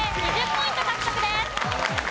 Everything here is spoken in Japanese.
２０ポイント獲得です。